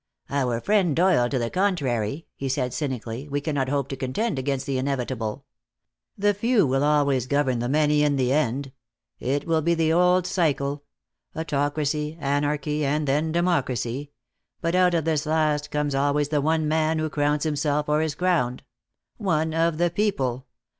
"Our friend Doyle to the contrary," he said cynically, "we cannot hope to contend against the inevitable. The few will always govern the many, in the end. It will be the old cycle, autocracy, anarchy, and then democracy; but out of this last comes always the one man who crowns himself or is crowned. One of the people.